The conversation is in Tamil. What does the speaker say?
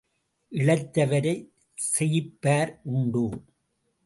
இளைத்தவரைச் செயிப்பார் உண்டோ?